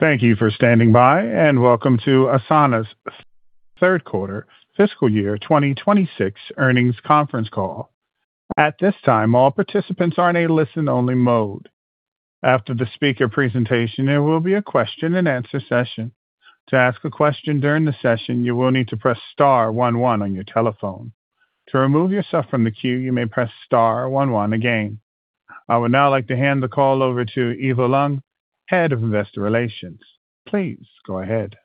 Thank you for standing by, and welcome to Asana's third quarter fiscal year 2026 earnings conference call. At this time, all participants are in a listen-only mode. After the speaker presentation, there will be a question-and-answer session. To ask a question during the session, you will need to press star one one on your telephone. To remove yourself from the queue, you may press star one one again. I would now like to hand the call over to Eva Leung, Head of Investor Relations. Please go ahead.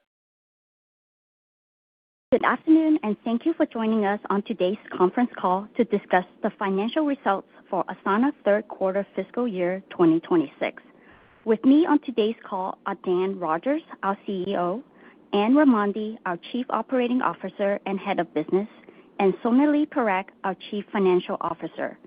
Good afternoon, and thank you for joining us on today's conference call to discuss the financial results for Asana's third quarter fiscal year 2026. With me on today's call are Dan Rogers, our CEO, Anne Raimondi, our Chief Operating Officer and Head of Business, and Sonalee Parekh, our Chief Financial Officer.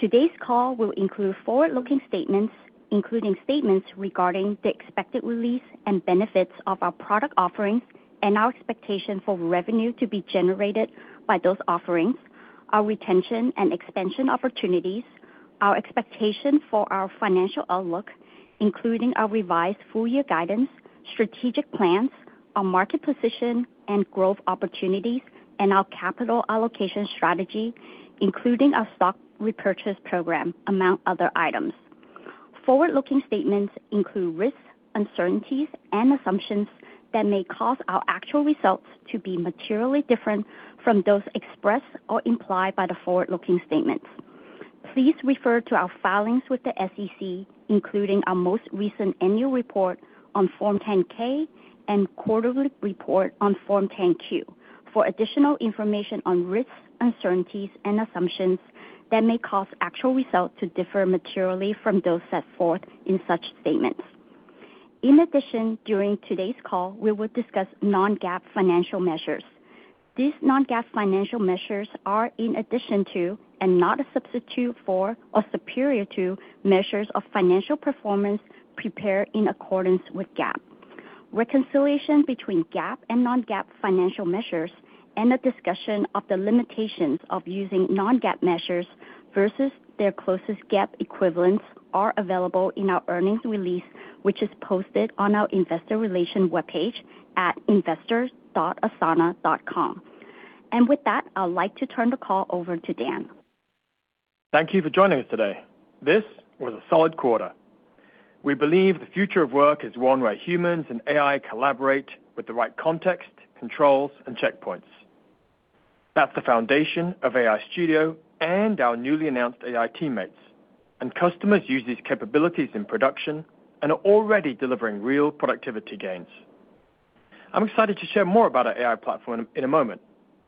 Today's call will include forward-looking statements, including statements regarding the expected release and benefits of our product offerings and our expectation for revenue to be generated by those offerings, our retention and expansion opportunities, our expectation for our financial outlook, including our revised full-year guidance, strategic plans, our market position and growth opportunities, and our capital allocation strategy, including our stock repurchase program, among other items. Forward-looking statements include risks, uncertainties, and assumptions that may cause our actual results to be materially different from those expressed or implied by the forward-looking statements. Please refer to our filings with the SEC, including our most recent annual report on Form 10-K and quarterly report on Form 10-Q, for additional information on risks, uncertainties, and assumptions that may cause actual results to differ materially from those set forth in such statements. In addition, during today's call, we will discuss non-GAAP financial measures. These non-GAAP financial measures are in addition to, and not a substitute for, or superior to, measures of financial performance prepared in accordance with GAAP. Reconciliation between GAAP and non-GAAP financial measures and a discussion of the limitations of using non-GAAP measures versus their closest GAAP equivalents are available in our earnings release, which is posted on our Investor Relations webpage at investors.asana.com. And with that, I'd like to turn the call over to Dan. Thank you for joining us today. This was a solid quarter. We believe the future of work is one where humans and AI collaborate with the right context, controls, and checkpoints. That's the foundation of AI Studio and our newly announced AI Teammates, and customers use these capabilities in production and are already delivering real productivity gains. I'm excited to share more about our AI platform in a moment,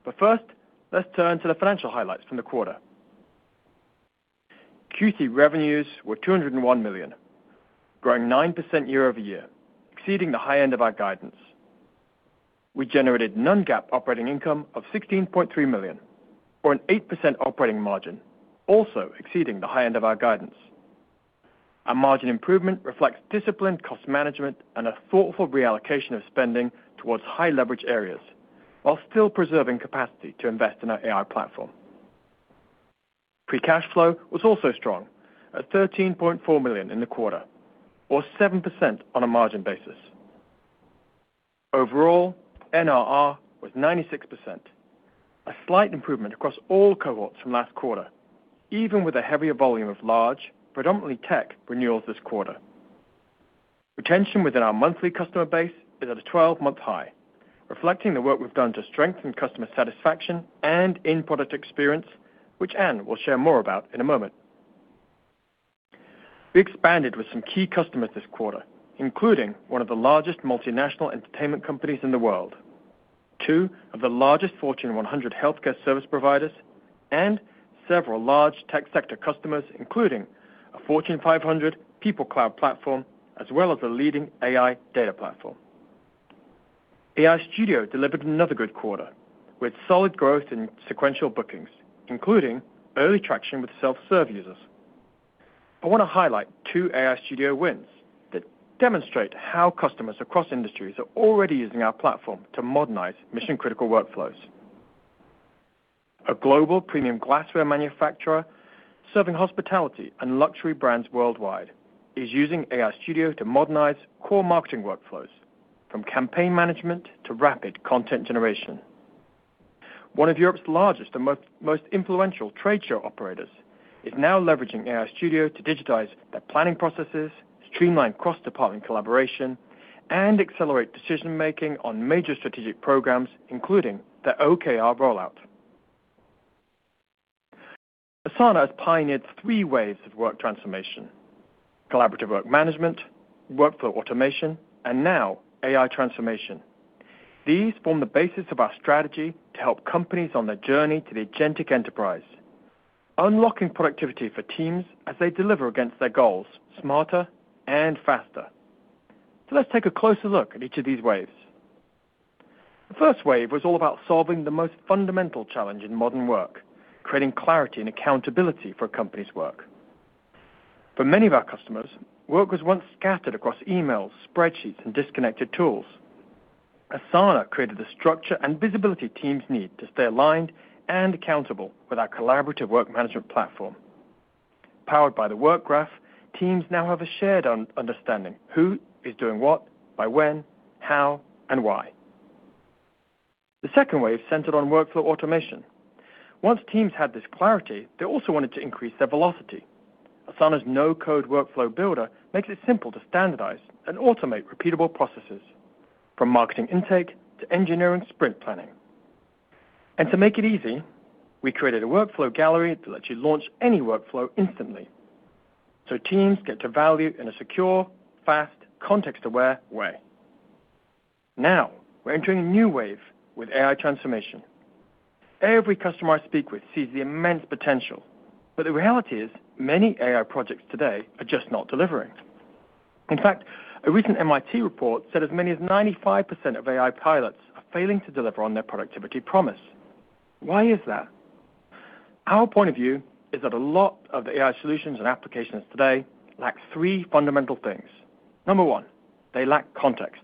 but first, let's turn to the financial highlights from the quarter. Q3 revenues were $201 million, growing 9% year-over-year, exceeding the high end of our guidance. We generated non-GAAP operating income of $16.3 million, or an 8% operating margin, also exceeding the high end of our guidance. Our margin improvement reflects disciplined cost management and a thoughtful reallocation of spending towards high-leverage areas, while still preserving capacity to invest in our AI platform. Free cash flow was also strong, at $13.4 million in the quarter, or 7% on a margin basis. Overall, NRR was 96%, a slight improvement across all cohorts from last quarter, even with a heavier volume of large, predominantly tech renewals this quarter. Retention within our monthly customer base is at a 12-month high, reflecting the work we've done to strengthen customer satisfaction and end product experience, which Anne will share more about in a moment. We expanded with some key customers this quarter, including one of the largest multinational entertainment companies in the world, two of the largest Fortune 100 healthcare service providers, and several large tech sector customers, including a Fortune 500 people cloud platform, as well as a leading AI data platform. AI Studio delivered another good quarter, with solid growth in sequential bookings, including early traction with self-serve users. I want to highlight two AI Studio wins that demonstrate how customers across industries are already using our platform to modernize mission-critical workflows. A global premium glassware manufacturer serving hospitality and luxury brands worldwide is using AI Studio to modernize core marketing workflows, from campaign management to rapid content generation. One of Europe's largest and most influential trade show operators is now leveraging AI Studio to digitize their planning processes, streamline cross-department collaboration, and accelerate decision-making on major strategic programs, including their OKR rollout. Asana has pioneered three waves of work transformation: collaborative work management, workflow automation, and now AI transformation. These form the basis of our strategy to help companies on their journey to the agentic enterprise, unlocking productivity for teams as they deliver against their goals smarter and faster. So let's take a closer look at each of these waves. The first wave was all about solving the most fundamental challenge in modern work: creating clarity and accountability for a company's work. For many of our customers, work was once scattered across emails, spreadsheets, and disconnected tools. Asana created the structure and visibility teams need to stay aligned and accountable with our collaborative work management platform. Powered by the Work Graph, teams now have a shared understanding: who is doing what, by when, how, and why. The second wave centered on workflow automation. Once teams had this clarity, they also wanted to increase their velocity. Asana's no-code workflow builder makes it simple to standardize and automate repeatable processes, from marketing intake to engineering sprint planning. And to make it easy, we created a Workflow Gallery that lets you launch any workflow instantly, so teams get to value in a secure, fast, context-aware way. Now we're entering a new wave with AI transformation. Every customer I speak with sees the immense potential, but the reality is many AI projects today are just not delivering. In fact, a recent MIT report said as many as 95% of AI pilots are failing to deliver on their productivity promise. Why is that? Our point of view is that a lot of the AI solutions and applications today lack three fundamental things. Number one, they lack context.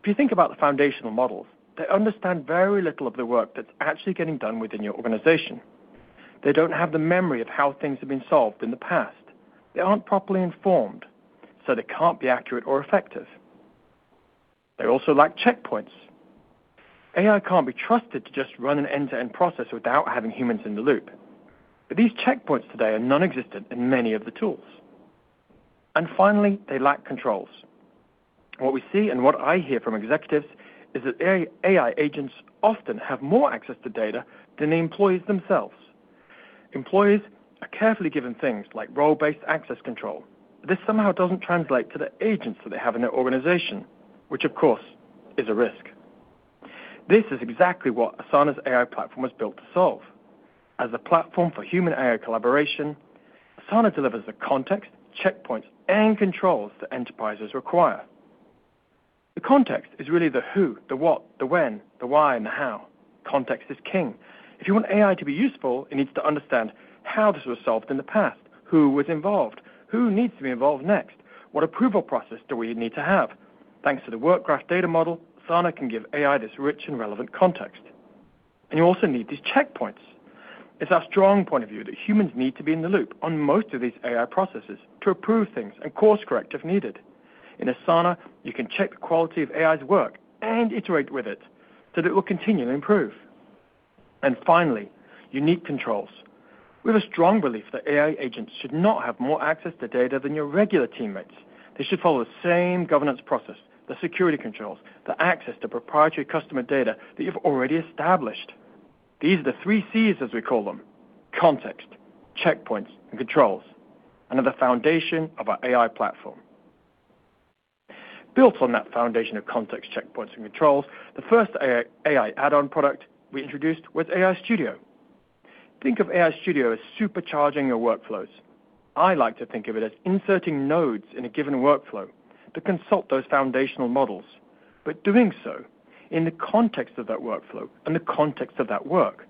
If you think about the foundational models, they understand very little of the work that's actually getting done within your organization. They don't have the memory of how things have been solved in the past. They aren't properly informed, so they can't be accurate or effective. They also lack checkpoints. AI can't be trusted to just run an end-to-end process without having humans in the loop. But these checkpoints today are nonexistent in many of the tools. And finally, they lack controls. What we see and what I hear from executives is that AI agents often have more access to data than the employees themselves. Employees are carefully given things like role-based access control. This somehow doesn't translate to the agents that they have in their organization, which, of course, is a risk. This is exactly what Asana's AI platform is built to solve. As a platform for human-AI collaboration, Asana delivers the context, checkpoints, and controls that enterprises require. The context is really the who, the what, the when, the why, and the how. Context is king. If you want AI to be useful, it needs to understand how this was solved in the past, who was involved, who needs to be involved next, what approval process do we need to have. Thanks to the Work Graph data model, Asana can give AI this rich and relevant context. You also need these checkpoints. It's our strong point of view that humans need to be in the loop on most of these AI processes to approve things and course-correct if needed. In Asana, you can check the quality of AI's work and iterate with it so that it will continue to improve. Finally, unique controls. We have a strong belief that AI agents should not have more access to data than your regular teammates. They should follow the same governance process, the security controls, the access to proprietary customer data that you've already established. These are the three C's, as we call them: context, checkpoints, and controls, and are the foundation of our AI platform. Built on that foundation of context, checkpoints, and controls, the first AI add-on product we introduced was AI Studio. Think of AI Studio as supercharging your workflows. I like to think of it as inserting nodes in a given workflow to consult those foundational models, but doing so in the context of that workflow and the context of that work.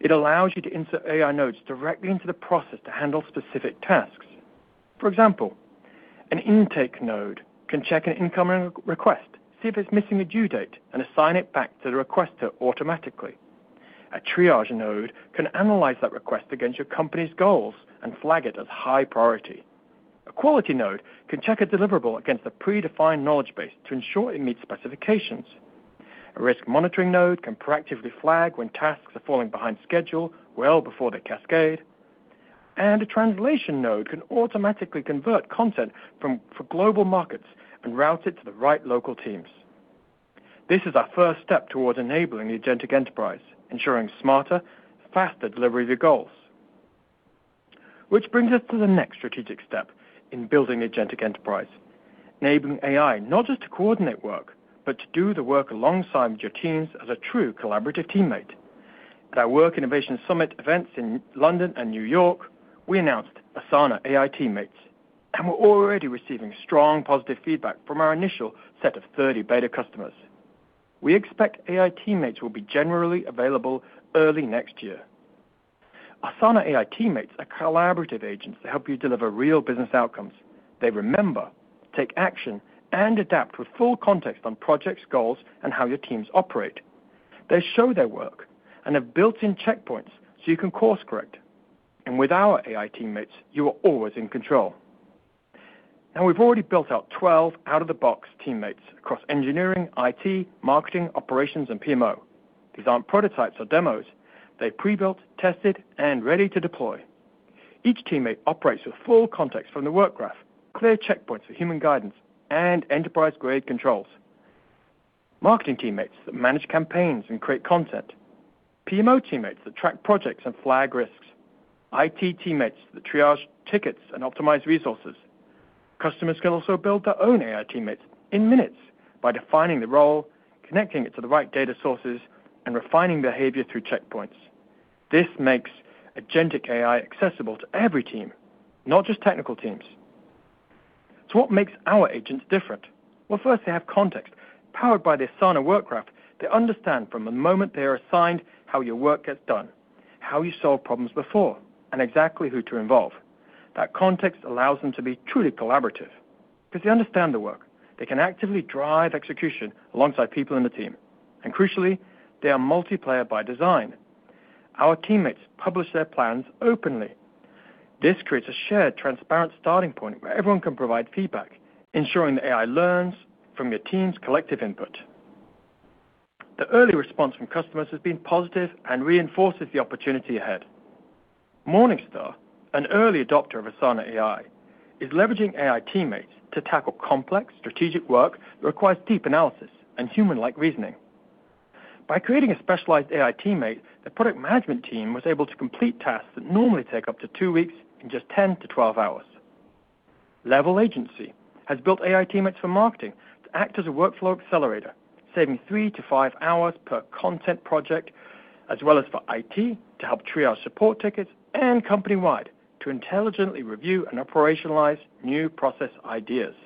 It allows you to insert AI nodes directly into the process to handle specific tasks. For example, an intake node can check an incoming request, see if it's missing a due date, and assign it back to the requester automatically. A triage node can analyze that request against your company's goals and flag it as high priority. A quality node can check a deliverable against a predefined knowledge base to ensure it meets specifications. A risk monitoring node can proactively flag when tasks are falling behind schedule well before they cascade, and a translation node can automatically convert content for global markets and route it to the right local teams. This is our first step towards enabling the agentic enterprise, ensuring smarter, faster delivery of your goals. Which brings us to the next strategic step in building the agentic enterprise: enabling AI not just to coordinate work, but to do the work alongside your teams as a true collaborative teammate. At our Work Innovation Summit events in London and New York, we announced Asana AI Teammates, and we're already receiving strong positive feedback from our initial set of 30 beta customers. We expect AI Teammates will be generally available early next year. Asana AI Teammates are collaborative agents that help you deliver real business outcomes. They remember, take action, and adapt with full context on projects, goals, and how your teams operate. They show their work and have built-in checkpoints so you can course-correct. And with our AI Teammates, you are always in control. Now we've already built out 12 out-of-the-box teammates across engineering, IT, marketing, operations, and PMO. These aren't prototypes or demos. They're prebuilt, tested, and ready to deploy. Each teammate operates with full context from the Work Graph, clear checkpoints for human guidance, and enterprise-grade controls. Marketing teammates that manage campaigns and create content. PMO teammates that track projects and flag risks. IT teammates that triage tickets and optimize resources. Customers can also build their own AI Teammates in minutes by defining the role, connecting it to the right data sources, and refining behavior through checkpoints. This makes agentic AI accessible to every team, not just technical teams. What makes our agents different? Well, first, they have context. Powered by the Asana Work Graph, they understand from the moment they are assigned how your work gets done, how you solve problems before, and exactly who to involve. That context allows them to be truly collaborative because they understand the work. They can actively drive execution alongside people in the team. And crucially, they are multiplayer by design. Our teammates publish their plans openly. This creates a shared, transparent starting point where everyone can provide feedback, ensuring the AI learns from your team's collective input. The early response from customers has been positive and reinforces the opportunity ahead. Morningstar, an early adopter of Asana AI, is leveraging AI Teammates to tackle complex, strategic work that requires deep analysis and human-like reasoning. By creating a specialized AI Teammate, the product management team was able to complete tasks that normally take up to two weeks in just 10 to 12 hours. Level Agency has built AI Teammates for marketing to act as a workflow accelerator, saving three to five hours per content project, as well as for IT to help triage support tickets and company-wide to intelligently review and operationalize new process ideas.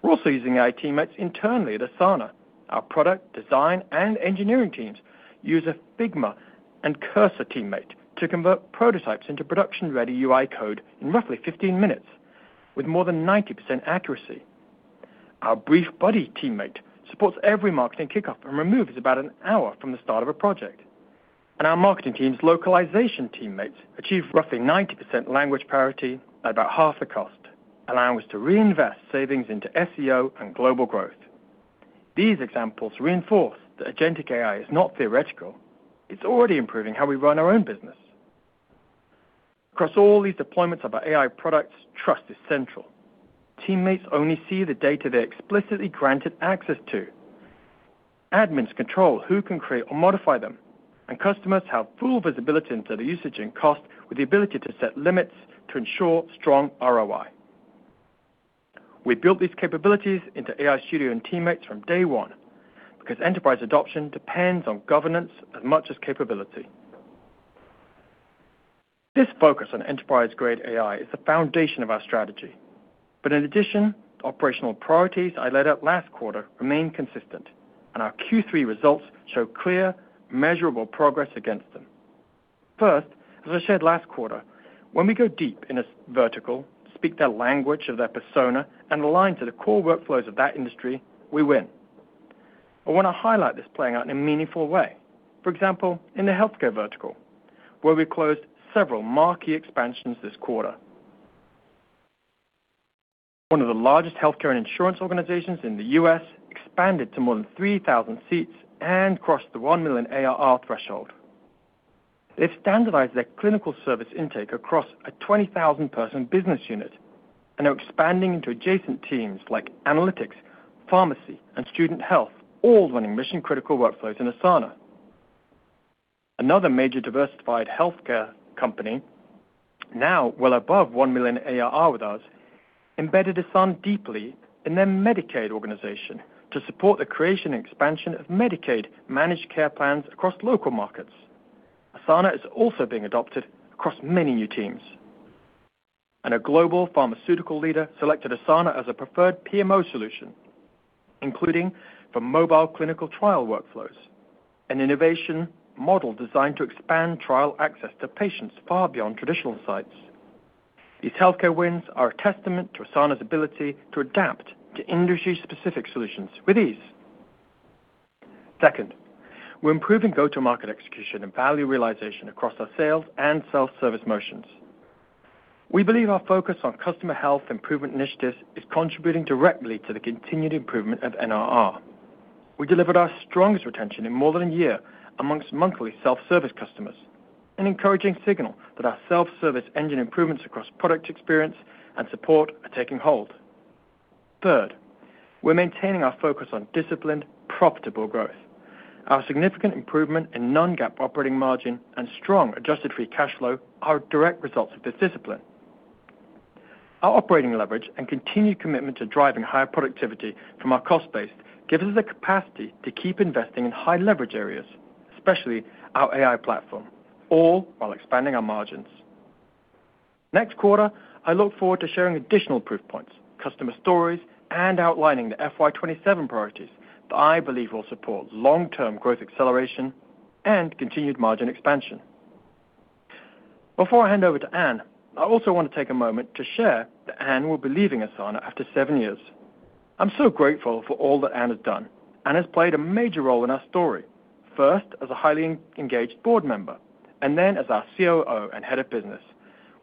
We're also using AI Teammates internally at Asana. Our product design and engineering teams use a Figma and Cursor Teammate to convert prototypes into production-ready UI code in roughly 15 minutes, with more than 90% accuracy. Our Brief Buddy Teammate supports every marketing kickoff and removes about an hour from the start of a project. And our marketing team's localization Teammates achieve roughly 90% language parity at about half the cost, allowing us to reinvest savings into SEO and global growth. These examples reinforce that agentic AI is not theoretical. It's already improving how we run our own business. Across all these deployments of our AI products, trust is central. Teammates only see the data they're explicitly granted access to. Admins control who can create or modify them, and customers have full visibility into the usage and cost, with the ability to set limits to ensure strong ROI. We built these capabilities into AI Studio and Teammates from day one because enterprise adoption depends on governance as much as capability. This focus on enterprise-grade AI is the foundation of our strategy. But in addition, the operational priorities I led out last quarter remain consistent, and our Q3 results show clear, measurable progress against them. First, as I shared last quarter, when we go deep in a vertical, speak their language of their persona, and align to the core workflows of that industry, we win. I want to highlight this playing out in a meaningful way. For example, in the healthcare vertical, where we closed several marquee expansions this quarter. One of the largest healthcare and insurance organizations in the U.S. expanded to more than 3,000 seats and crossed the $1 million ARR threshold. They've standardized their clinical service intake across a 20,000-person business unit, and they're expanding into adjacent teams like analytics, pharmacy, and student health, all running mission-critical workflows in Asana. Another major diversified healthcare company, now well above $1 million ARR with us, embedded Asana deeply in their Medicaid organization to support the creation and expansion of Medicaid managed care plans across local markets. Asana is also being adopted across many new teams, and a global pharmaceutical leader selected Asana as a preferred PMO solution, including for mobile clinical trial workflows, an innovation model designed to expand trial access to patients far beyond traditional sites. These healthcare wins are a testament to Asana's ability to adapt to industry-specific solutions with ease. Second, we're improving go-to-market execution and value realization across our sales and self-service motions. We believe our focus on customer health improvement initiatives is contributing directly to the continued improvement of NRR. We delivered our strongest retention in more than a year amongst monthly self-service customers, an encouraging signal that our self-service engine improvements across product experience and support are taking hold. Third, we're maintaining our focus on disciplined, profitable growth. Our significant improvement in non-GAAP operating margin and strong adjusted free cash flow are direct results of this discipline. Our operating leverage and continued commitment to driving higher productivity from our cost base gives us the capacity to keep investing in high leverage areas, especially our AI platform, all while expanding our margins. Next quarter, I look forward to sharing additional proof points, customer stories, and outlining the FY 2027 priorities that I believe will support long-term growth acceleration and continued margin expansion. Before I hand over to Anne, I also want to take a moment to share that Anne will be leaving Asana after seven years. I'm so grateful for all that Anne has done. Anne has played a major role in our story, first as a highly engaged board member and then as our COO and Head of Business,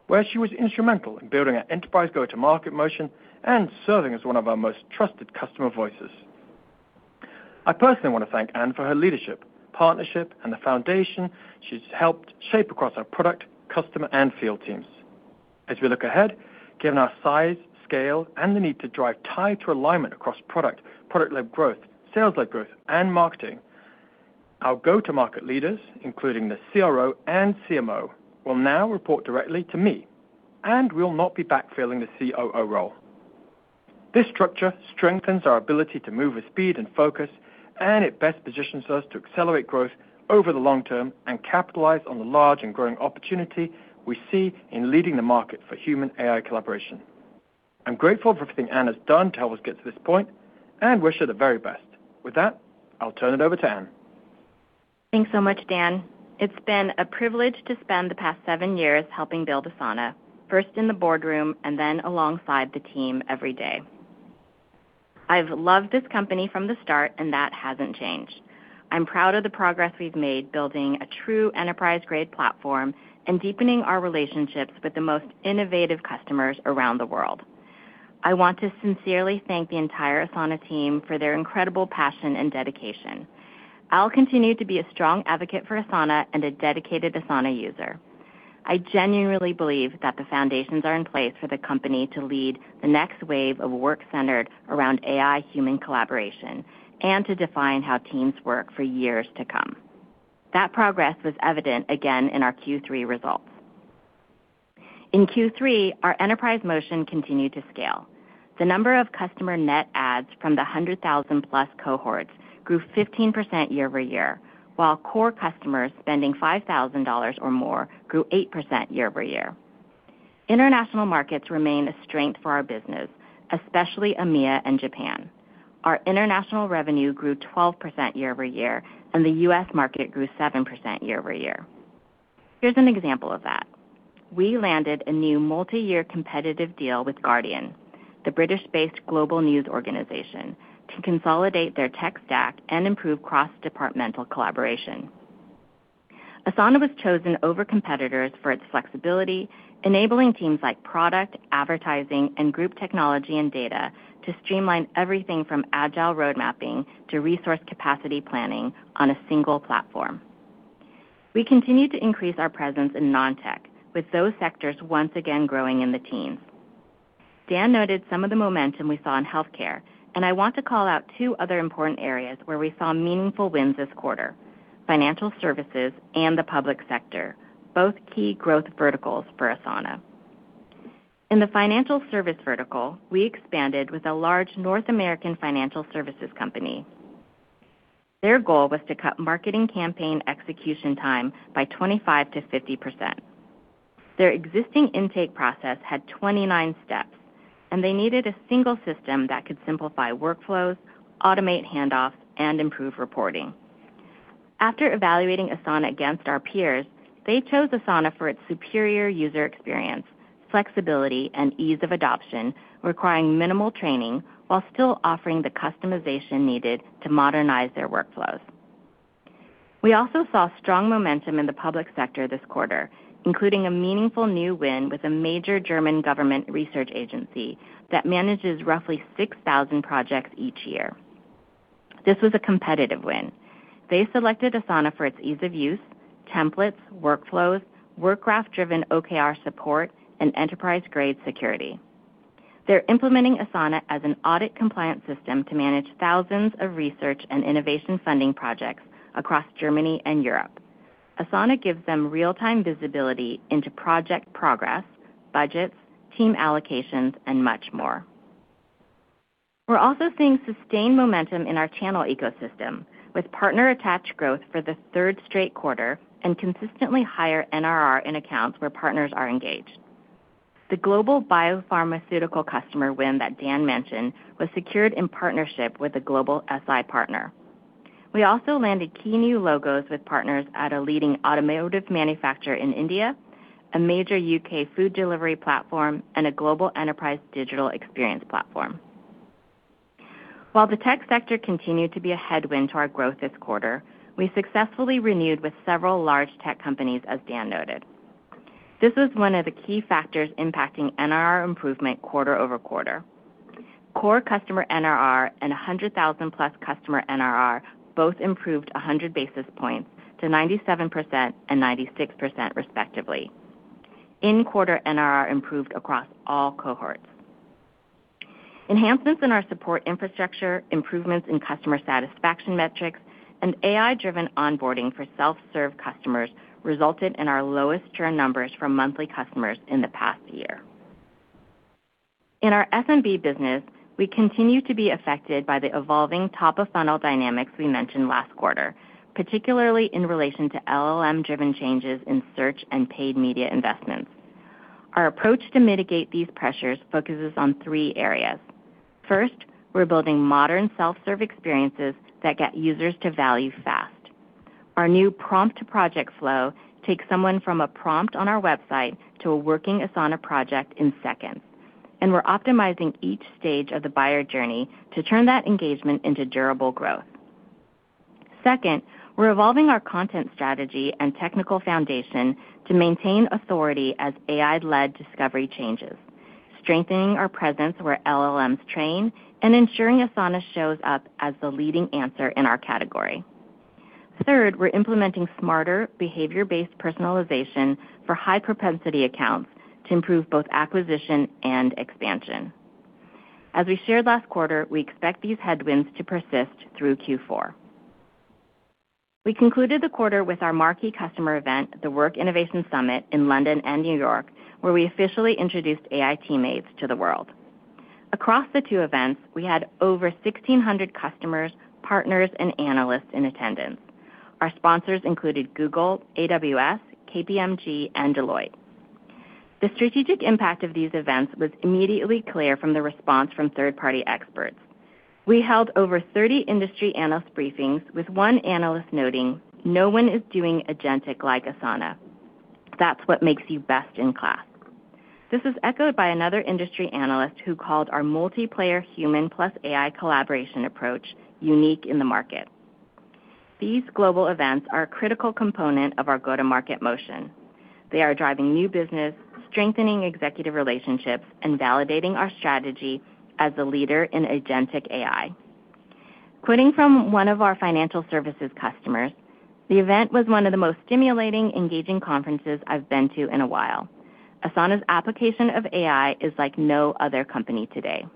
where she was instrumental in building our enterprise go-to-market motion and serving as one of our most trusted customer voices. I personally want to thank Anne for her leadership, partnership, and the foundation she's helped shape across our product, customer, and field teams. As we look ahead, given our size, scale, and the need to drive tight alignment across product, product-led growth, sales-led growth, and marketing, our go-to-market leaders, including the CRO and CMO, will now report directly to me, and we'll not be backfilling the COO role. This structure strengthens our ability to move with speed and focus, and it best positions us to accelerate growth over the long term and capitalize on the large and growing opportunity we see in leading the market for human-AI collaboration. I'm grateful for everything Anne has done to help us get to this point and wish her the very best. With that, I'll turn it over to Anne. Thanks so much, Dan. It's been a privilege to spend the past seven years helping build Asana, first in the boardroom and then alongside the team every day. I've loved this company from the start, and that hasn't changed. I'm proud of the progress we've made building a true enterprise-grade platform and deepening our relationships with the most innovative customers around the world. I want to sincerely thank the entire Asana team for their incredible passion and dedication. I'll continue to be a strong advocate for Asana and a dedicated Asana user. I genuinely believe that the foundations are in place for the company to lead the next wave of work centered around AI-human collaboration and to define how teams work for years to come. That progress was evident again in our Q3 results. In Q3, our enterprise motion continued to scale. The number of customer net adds from the $100,000+ cohorts grew 15% year-over-year, while core customers spending $5,000 or more grew 8% year-over-year. International markets remain a strength for our business, especially EMEA and Japan. Our international revenue grew 12% year-over-year, and the U.S. market grew 7% year-over-year. Here's an example of that. We landed a new multi-year competitive deal with Guardian, the British-based global news organization, to consolidate their tech stack and improve cross-departmental collaboration. Asana was chosen over competitors for its flexibility, enabling teams like product, advertising, and group technology and data to streamline everything from agile roadmapping to resource capacity planning on a single platform. We continue to increase our presence in non-tech, with those sectors once again growing in the teens. Dan noted some of the momentum we saw in healthcare, and I want to call out two other important areas where we saw meaningful wins this quarter: financial services and the public sector, both key growth verticals for Asana. In the financial services vertical, we expanded with a large North American financial services company. Their goal was to cut marketing campaign execution time by 25%-50%. Their existing intake process had 29 steps, and they needed a single system that could simplify workflows, automate handoffs, and improve reporting. After evaluating Asana against our peers, they chose Asana for its superior user experience, flexibility, and ease of adoption, requiring minimal training while still offering the customization needed to modernize their workflows. We also saw strong momentum in the public sector this quarter, including a meaningful new win with a major German government research agency that manages roughly 6,000 projects each year. This was a competitive win. They selected Asana for its ease of use, templates, workflows, work graph-driven OKR support, and enterprise-grade security. They're implementing Asana as an audit-compliant system to manage thousands of research and innovation funding projects across Germany and Europe. Asana gives them real-time visibility into project progress, budgets, team allocations, and much more. We're also seeing sustained momentum in our channel ecosystem, with partner-attached growth for the third straight quarter and consistently higher NRR in accounts where partners are engaged. The global biopharmaceutical customer win that Dan mentioned was secured in partnership with a global SI partner. We also landed key new logos with partners at a leading automotive manufacturer in India, a major U.K. food delivery platform, and a global digital experience platform. While the tech sector continued to be a headwind to our growth this quarter, we successfully renewed with several large tech companies, as Dan noted. This was one of the key factors impacting NRR improvement quarter over quarter. Core customer NRR and 100,000+ customer NRR both improved 100 basis points to 97% and 96%, respectively. In quarter, NRR improved across all cohorts. Enhancements in our support infrastructure, improvements in customer satisfaction metrics, and AI-driven onboarding for self-serve customers resulted in our lowest churn numbers for monthly customers in the past year. In our SMB business, we continue to be affected by the evolving top-of-funnel dynamics we mentioned last quarter, particularly in relation to LLM-driven changes in search and paid media investments. Our approach to mitigate these pressures focuses on three areas. First, we're building modern self-serve experiences that get users to value fast. Our new prompt-to-project flow takes someone from a prompt on our website to a working Asana project in seconds. And we're optimizing each stage of the buyer journey to turn that engagement into durable growth. Second, we're evolving our content strategy and technical foundation to maintain authority as AI-led discovery changes, strengthening our presence where LLMs train and ensuring Asana shows up as the leading answer in our category. Third, we're implementing smarter behavior-based personalization for high-propensity accounts to improve both acquisition and expansion. As we shared last quarter, we expect these headwinds to persist through Q4. We concluded the quarter with our marquee customer event, the Work Innovation Summit in London and New York, where we officially introduced AI Teammates to the world. Across the two events, we had over 1,600 customers, partners, and analysts in attendance. Our sponsors included Google, AWS, KPMG, and Deloitte. The strategic impact of these events was immediately clear from the response from third-party experts. We held over 30 industry analyst briefings, with one analyst noting, "No one is doing agentic like Asana. That's what makes you best in class." This was echoed by another industry analyst who called our multiplayer human-plus-AI collaboration approach unique in the market. These global events are a critical component of our go-to-market motion. They are driving new business, strengthening executive relationships, and validating our strategy as a leader in agentic AI. Quoting from one of our financial services customers, "The event was one of the most stimulating, engaging conferences I've been to in a while. Asana's application of AI is like no other company today."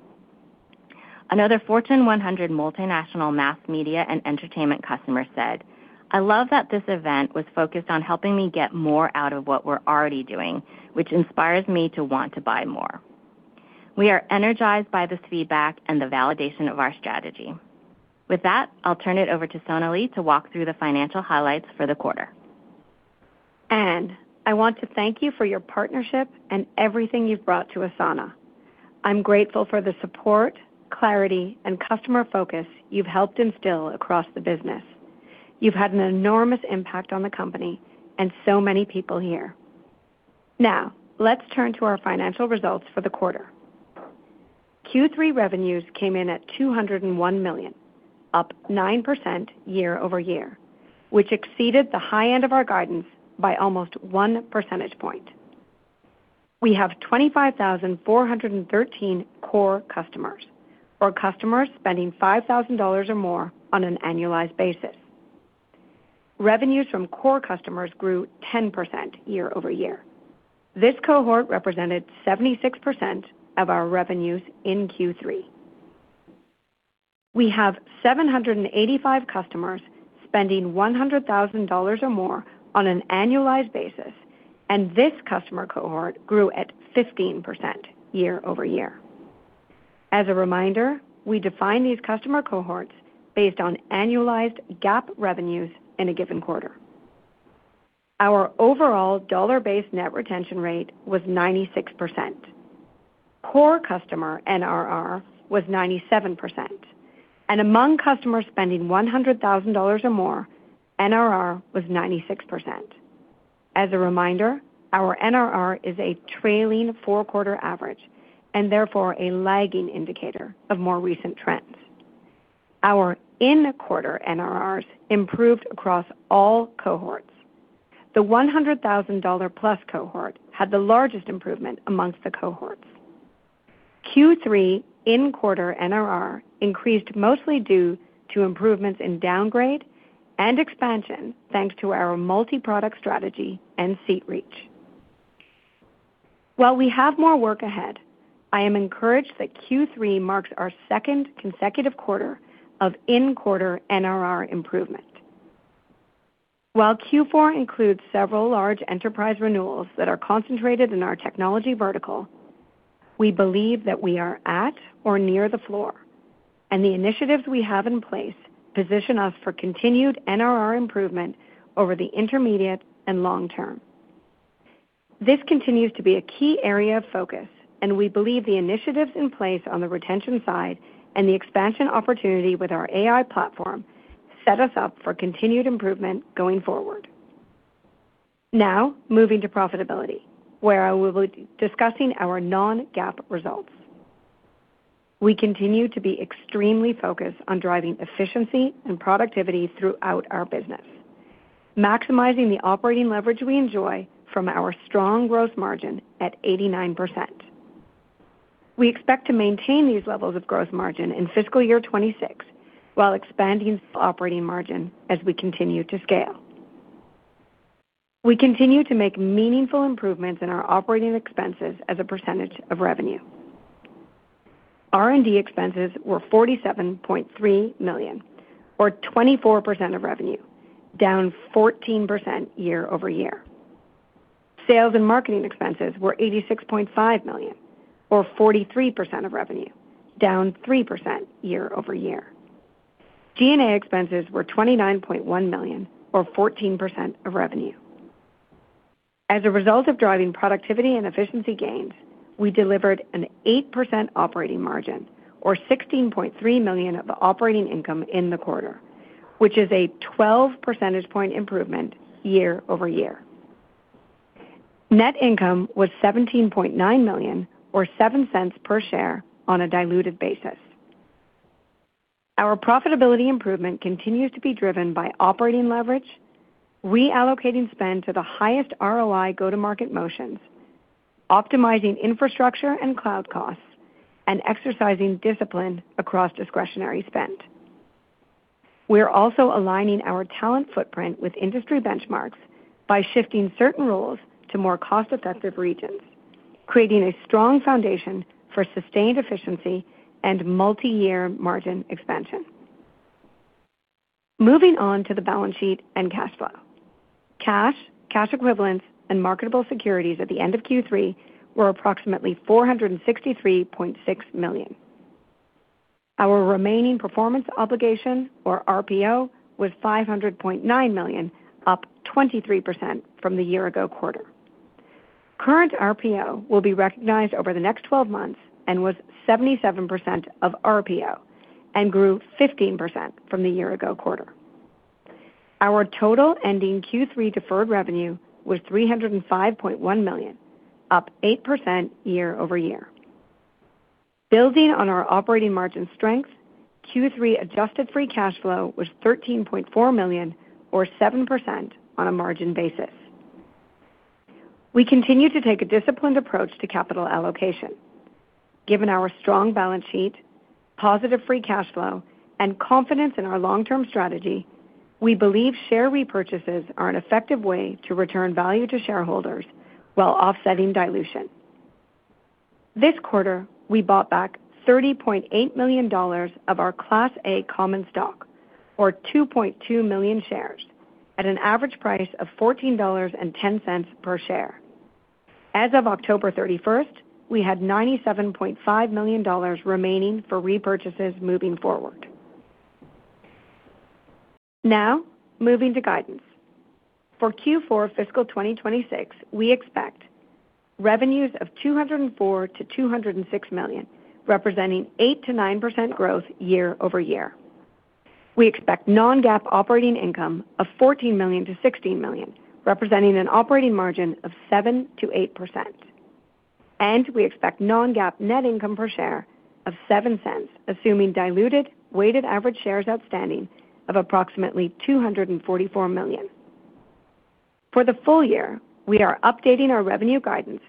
Another Fortune 100 multinational mass media and entertainment customer said, "I love that this event was focused on helping me get more out of what we're already doing, which inspires me to want to buy more." We are energized by this feedback and the validation of our strategy. With that, I'll turn it over to Sonalee to walk through the financial highlights for the quarter. Anne, I want to thank you for your partnership and everything you've brought to Asana. I'm grateful for the support, clarity, and customer focus you've helped instill across the business. You've had an enormous impact on the company and so many people here. Now, let's turn to our financial results for the quarter. Q3 revenues came in at $201 million, up 9% year-over-year, which exceeded the high end of our guidance by almost one percentage point. We have 25,413 core customers, or customers spending $5,000 or more on an annualized basis. Revenues from core customers grew 10% year-over-year. This cohort represented 76% of our revenues in Q3. We have 785 customers spending $100,000 or more on an annualized basis, and this customer cohort grew at 15% year-over-year. As a reminder, we define these customer cohorts based on annualized GAAP revenues in a given quarter. Our overall dollar-based net retention rate was 96%. Core customer NRR was 97%, and among customers spending $100,000 or more, NRR was 96%. As a reminder, our NRR is a trailing four-quarter average and therefore a lagging indicator of more recent trends. Our in-quarter NRRs improved across all cohorts. The $100,000+ cohort had the largest improvement among the cohorts. Q3 in-quarter NRR increased mostly due to improvements in downgrade and expansion thanks to our multi-product strategy and seat reach. While we have more work ahead, I am encouraged that Q3 marks our second consecutive quarter of in-quarter NRR improvement. While Q4 includes several large enterprise renewals that are concentrated in our technology vertical, we believe that we are at or near the floor, and the initiatives we have in place position us for continued NRR improvement over the intermediate and long term. This continues to be a key area of focus, and we believe the initiatives in place on the retention side and the expansion opportunity with our AI platform set us up for continued improvement going forward. Now, moving to profitability, where I will be discussing our non-GAAP results. We continue to be extremely focused on driving efficiency and productivity throughout our business, maximizing the operating leverage we enjoy from our strong gross margin at 89%. We expect to maintain these levels of gross margin in fiscal year 2026 while expanding operating margin as we continue to scale. We continue to make meaningful improvements in our operating expenses as a percentage of revenue. R&D expenses were $47.3 million, or 24% of revenue, down 14% year-over-year. Sales and marketing expenses were $86.5 million, or 43% of revenue, down 3% year-over-year. G&A expenses were $29.1 million, or 14% of revenue. As a result of driving productivity and efficiency gains, we delivered an 8% operating margin, or $16.3 million of operating income in the quarter, which is a 12 percentage point improvement year-over-year. Net income was $17.9 million, or $0.07 per share on a diluted basis. Our profitability improvement continues to be driven by operating leverage, reallocating spend to the highest ROI go-to-market motions, optimizing infrastructure and cloud costs, and exercising discipline across discretionary spend. We're also aligning our talent footprint with industry benchmarks by shifting certain roles to more cost-effective regions, creating a strong foundation for sustained efficiency and multi-year margin expansion. Moving on to the balance sheet and cash flow. Cash, cash equivalents, and marketable securities at the end of Q3 were approximately $463.6 million. Our remaining performance obligation, or RPO, was $500.9 million, up 23% from the year-ago quarter. Current RPO will be recognized over the next 12 months and was 77% of RPO and grew 15% from the year-ago quarter. Our total ending Q3 deferred revenue was $305.1 million, up 8% year-over-year. Building on our operating margin strength, Q3 adjusted free cash flow was $13.4 million, or 7% on a margin basis. We continue to take a disciplined approach to capital allocation. Given our strong balance sheet, positive free cash flow, and confidence in our long-term strategy, we believe share repurchases are an effective way to return value to shareholders while offsetting dilution. This quarter, we bought back $30.8 million of our Class A common stock, or 2.2 million shares, at an average price of $14.10 per share. As of October 31st, we had $97.5 million remaining for repurchases moving forward. Now, moving to guidance. For Q4 fiscal 2026, we expect revenues of $204 million-$206 million, representing 8%-9% growth year-over-year. We expect non-GAAP operating income of $14 million-$16 million, representing an operating margin of 7%-8%. And we expect non-GAAP net income per share of $0.07, assuming diluted weighted average shares outstanding of approximately $244 million. For the full year, we are updating our revenue guidance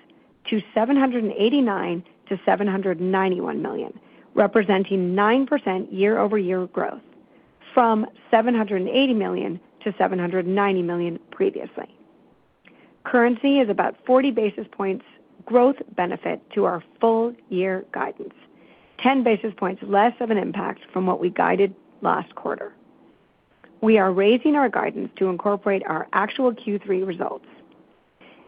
to $789 million-$791 million, representing 9% year-over-year growth from $780 million-$790 million previously. Currency is about 40 basis points growth benefit to our full-year guidance, 10 basis points less of an impact from what we guided last quarter. We are raising our guidance to incorporate our actual Q3 results.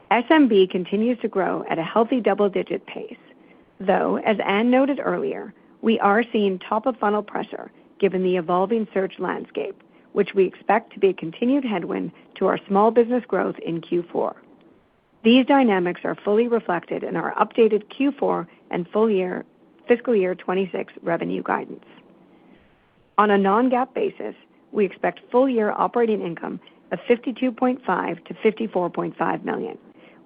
SMB continues to grow at a healthy double-digit pace, though, as Anne noted earlier, we are seeing top-of-funnel pressure given the evolving search landscape, which we expect to be a continued headwind to our small business growth in Q4. These dynamics are fully reflected in our updated Q4 and full-year fiscal year 2026 revenue guidance. On a non-GAAP basis, we expect full-year operating income of $52.5 million-$54.5 million,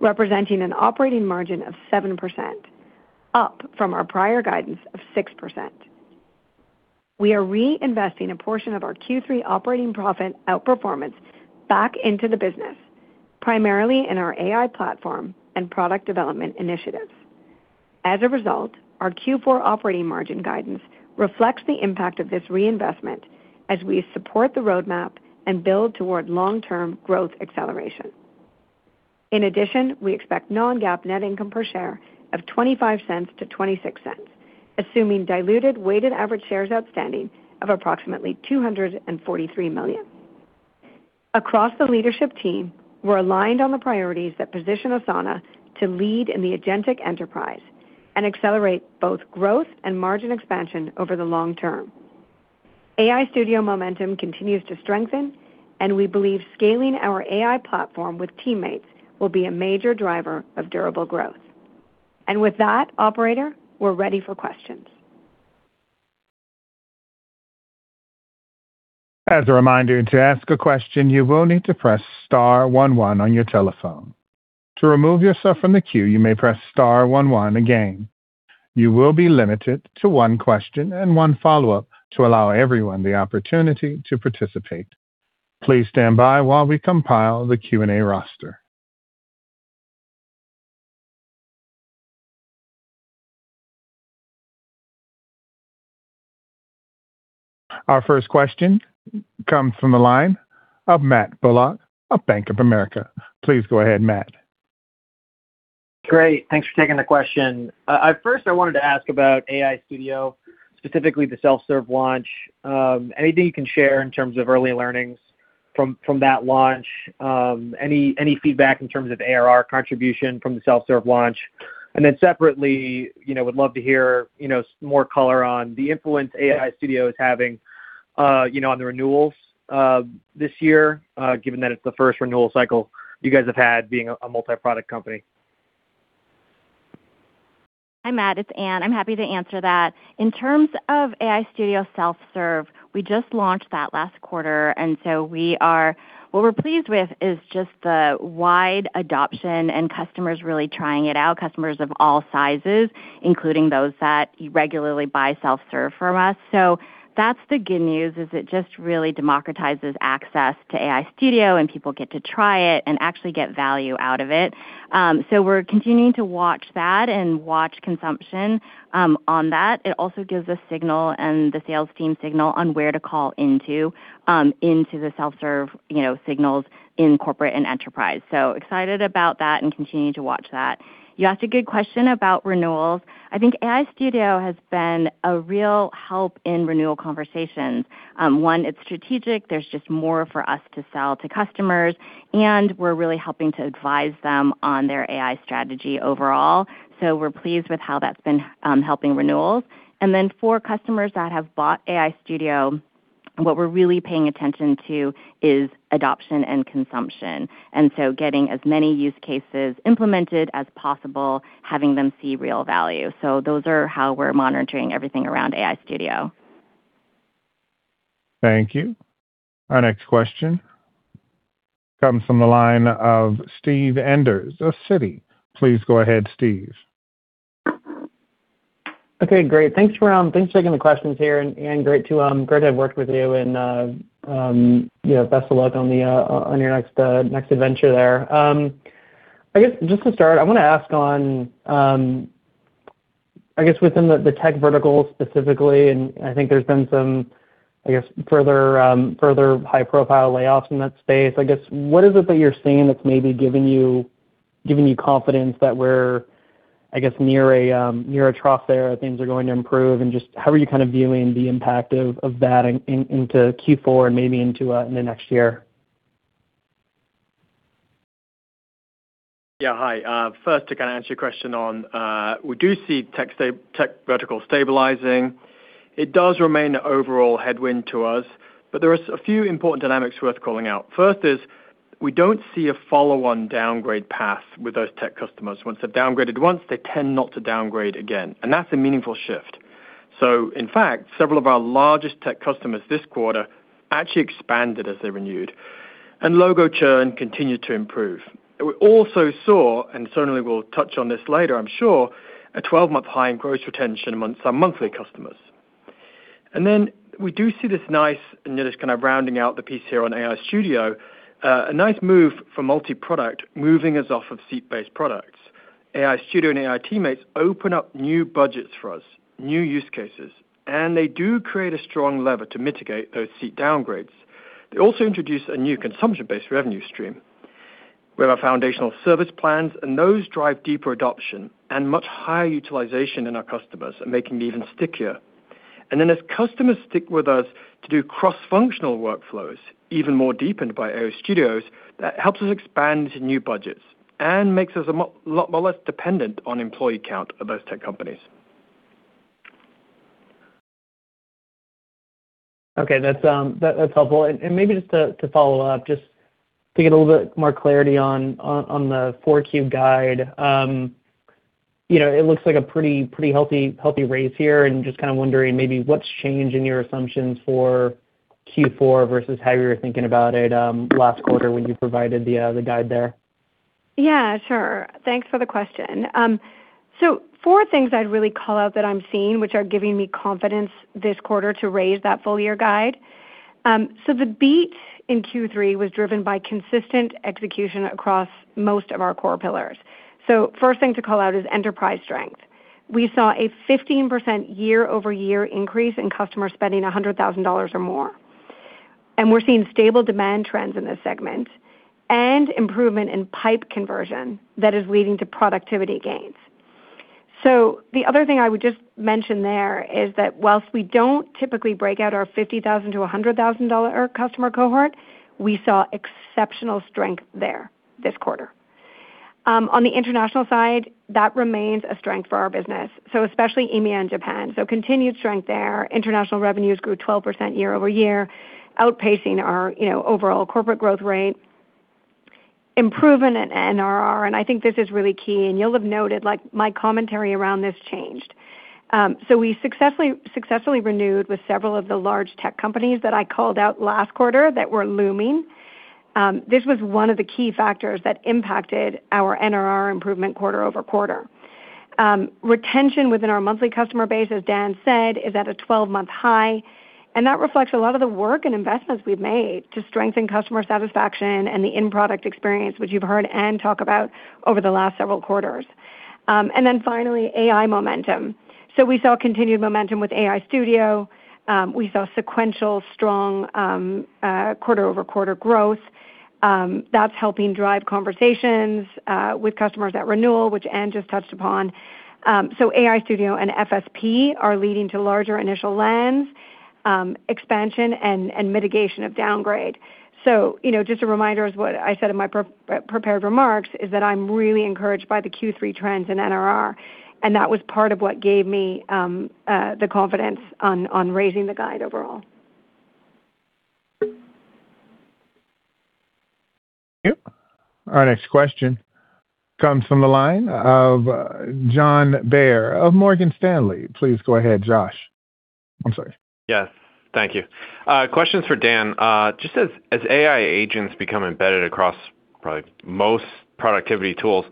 representing an operating margin of 7%, up from our prior guidance of 6%. We are reinvesting a portion of our Q3 operating profit outperformance back into the business, primarily in our AI platform and product development initiatives. As a result, our Q4 operating margin guidance reflects the impact of this reinvestment as we support the roadmap and build toward long-term growth acceleration. In addition, we expect non-GAAP net income per share of $0.25-$0.26, assuming diluted weighted average shares outstanding of approximately $243 million. Across the leadership team, we're aligned on the priorities that position Asana to lead in the agentic enterprise and accelerate both growth and margin expansion over the long term. AI Studio momentum continues to strengthen, and we believe scaling our AI platform with teammates will be a major driver of durable growth, and with that, operator, we're ready for questions. As a reminder, to ask a question, you will need to press star one one on your telephone. To remove yourself from the queue, you may press star one one again. You will be limited to one question and one follow-up to allow everyone the opportunity to participate. Please stand by while we compile the Q&A roster. Our first question comes from the line of Matt Bullock of Bank of America. Please go ahead, Matt. Great. Thanks for taking the question. First, I wanted to ask about AI Studio, specifically the self-serve launch. Anything you can share in terms of early learnings from that launch? Any feedback in terms of ARR contribution from the self-serve launch? Then separately, I would love to hear more color on the influence AI Studio is having on the renewals this year, given that it's the first renewal cycle you guys have had being a multi-product company. Hi, Matt. It's Anne. I'm happy to answer that. In terms of AI Studio self-serve, we just launched that last quarter, and so what we're pleased with is just the wide adoption and customers really trying it out, customers of all sizes, including those that regularly buy self-serve from us. So that's the good news, is it just really democratizes access to AI Studio, and people get to try it and actually get value out of it. So we're continuing to watch that and watch consumption on that. It also gives a signal and the sales team signal on where to call into the self-serve signals in corporate and enterprise. So excited about that and continuing to watch that. You asked a good question about renewals. I think AI Studio has been a real help in renewal conversations. One, it's strategic. There's just more for us to sell to customers, and we're really helping to advise them on their AI strategy overall. So we're pleased with how that's been helping renewals. And then for customers that have bought AI Studio, what we're really paying attention to is adoption and consumption, and so getting as many use cases implemented as possible, having them see real value. So those are how we're monitoring everything around AI Studio. Thank you. Our next question comes from the line of Steve Enders of Citi. Please go ahead, Steve. Okay, great. Thanks for taking the questions here. And great to have worked with you, and best of luck on your next adventure there. I guess just to start, I want to ask on, I guess, within the tech vertical specifically, and I think there's been some, I guess, further high-profile layoffs in that space. I guess, what is it that you're seeing that's maybe giving you confidence that we're, I guess, near a trough there, that things are going to improve? And just how are you kind of viewing the impact of that into Q4 and maybe into the next year? Yeah, hi. First, to kind of answer your question on, we do see tech vertical stabilizing. It does remain an overall headwind to us, but there are a few important dynamics worth calling out. First is we don't see a follow-on downgrade path with those tech customers. Once they've downgraded once, they tend not to downgrade again, and that's a meaningful shift. So, in fact, several of our largest tech customers this quarter actually expanded as they renewed, and logo churn continued to improve. We also saw, and certainly we'll touch on this later, I'm sure, a 12-month high in gross retention among our monthly customers. And then we do see this nice, and just kind of rounding out the piece here on AI Studio, a nice move from multi-product moving us off of seat-based products. AI Studio and AI Teammates open up new budgets for us, new use cases, and they do create a strong lever to mitigate those seat downgrades. They also introduce a new consumption-based revenue stream. We have our Foundational Service Plans, and those drive deeper adoption and much higher utilization in our customers, making it even stickier. And then as customers stick with us to do cross-functional workflows, even more deepened by AI Studio, that helps us expand into new budgets and makes us a lot more less dependent on employee count at those tech companies. Okay, that's helpful. And maybe just to follow up, just to get a little bit more clarity on the 4Q guide, it looks like a pretty healthy raise here, and just kind of wondering maybe what's changed in your assumptions for Q4 versus how you were thinking about it last quarter when you provided the guide there. Yeah, sure. Thanks for the question. So four things I'd really call out that I'm seeing, which are giving me confidence this quarter to raise that full-year guide. So the beat in Q3 was driven by consistent execution across most of our core pillars. So first thing to call out is enterprise strength. We saw a 15% year-over-year increase in customer spending $100,000 or more, and we're seeing stable demand trends in this segment and improvement in pipe conversion that is leading to productivity gains. So the other thing I would just mention there is that while we don't typically break out our $50,000-$100,000 customer cohort, we saw exceptional strength there this quarter. On the international side, that remains a strength for our business, so especially EMEA and Japan. So continued strength there. International revenues grew 12% year-over-year, outpacing our overall corporate growth rate, improvement in NRR. And I think this is really key, and you'll have noted my commentary around this changed. So we successfully renewed with several of the large tech companies that I called out last quarter that were looming. This was one of the key factors that impacted our NRR improvement quarter-over-quarter. Retention within our monthly customer base, as Dan said, is at a 12-month high, and that reflects a lot of the work and investments we've made to strengthen customer satisfaction and the end product experience, which you've heard Anne talk about over the last several quarters. And then finally, AI momentum. So we saw continued momentum with AI Studio. We saw sequential strong quarter-over-quarter growth. That's helping drive conversations with customers at renewal, which Anne just touched upon. So AI Studio and FSP are leading to larger initial lens, expansion, and mitigation of downgrade. So just a reminder of what I said in my prepared remarks is that I'm really encouraged by the Q3 trends in NRR, and that was part of what gave me the confidence on raising the guide overall. Thank you. Our next question comes from the line of Josh Baer of Morgan Stanley. Please go ahead, Josh. I'm sorry. Yes, thank you. Questions for Dan. Just as AI agents become embedded across probably most productivity tools,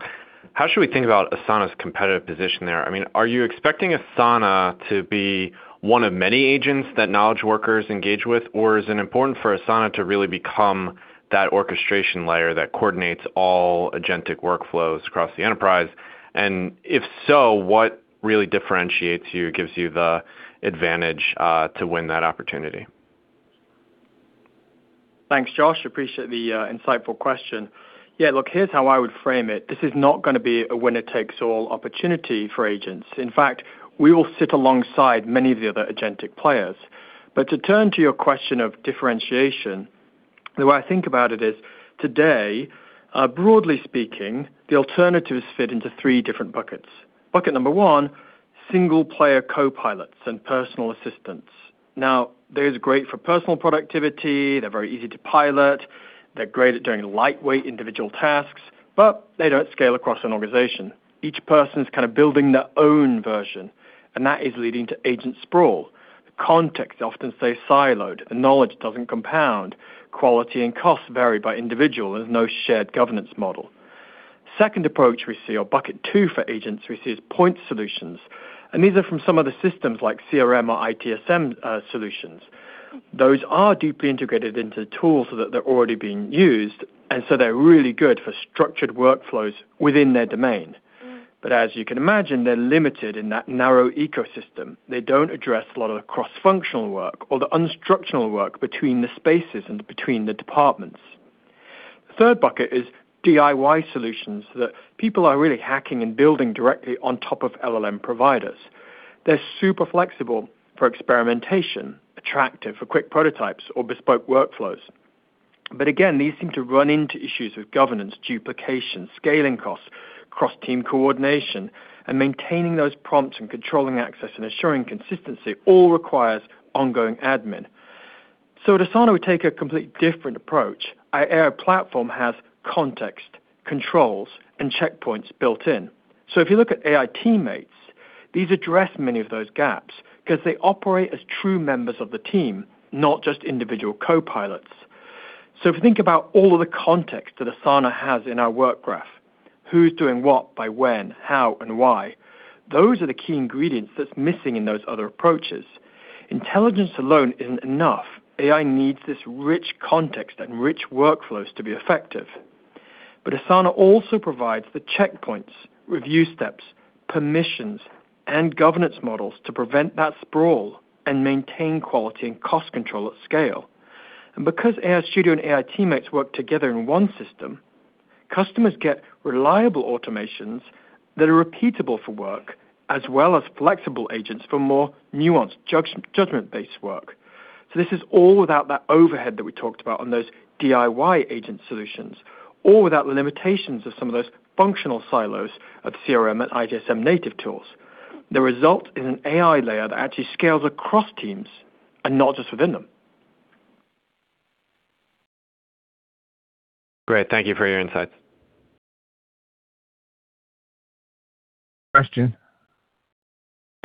how should we think about Asana's competitive position there? I mean, are you expecting Asana to be one of many agents that knowledge workers engage with, or is it important for Asana to really become that orchestration layer that coordinates all agentic workflows across the enterprise? And if so, what really differentiates you, gives you the advantage to win that opportunity? Thanks, Josh. Appreciate the insightful question. Yeah, look, here's how I would frame it. This is not going to be a winner-takes-all opportunity for agents. In fact, we will sit alongside many of the other agentic players. But to turn to your question of differentiation, the way I think about it is today, broadly speaking, the alternatives fit into three different buckets. Bucket number one, single-player copilots and personal assistants. Now, they're great for personal productivity. They're very easy to pilot. They're great at doing lightweight individual tasks, but they don't scale across an organization. Each person's kind of building their own version, and that is leading to agent sprawl. Context often stays siloed. The knowledge doesn't compound. Quality and cost vary by individual. There's no shared governance model. Second approach we see, or bucket two for agents we see, is point solutions. And these are from some of the systems like CRM or ITSM solutions. Those are deeply integrated into the tools that they're already being used, and so they're really good for structured workflows within their domain. But as you can imagine, they're limited in that narrow ecosystem. They don't address a lot of the cross-functional work or the unstructured work between the spaces and between the departments. Third bucket is DIY solutions that people are really hacking and building directly on top of LLM providers. They're super flexible for experimentation, attractive for quick prototypes or bespoke workflows. But again, these seem to run into issues with governance, duplication, scaling costs, cross-team coordination, and maintaining those prompts and controlling access and assuring consistency all requires ongoing admin. So at Asana, we take a completely different approach. Our AI platform has context, controls, and checkpoints built in. So if you look at AI Teammates, these address many of those gaps because they operate as true members of the team, not just individual copilots. So if you think about all of the context that Asana has in our Work Graph, who's doing what by when, how, and why, those are the key ingredients that's missing in those other approaches. Intelligence alone isn't enough. AI needs this rich context and rich workflows to be effective. But Asana also provides the checkpoints, review steps, permissions, and governance models to prevent that sprawl and maintain quality and cost control at scale. And because AI Studio and AI Teammates work together in one system, customers get reliable automations that are repeatable for work, as well as flexible agents for more nuanced judgment-based work. So this is all without that overhead that we talked about on those DIY agent solutions, all without the limitations of some of those functional silos of CRM and ITSM native tools. The result is an AI layer that actually scales across teams and not just within them. Great. Thank you for your insights. Question